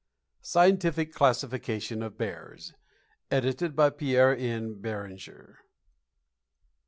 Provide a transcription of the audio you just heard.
SCIENTIFIC CLASSIFICATION OF BEARS. EDITED BY PIERRE N. BERINGER. I.